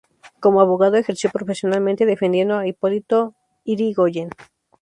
Como Abogado ejerció profesionalmente defendiendo a Hipólito Yrigoyen.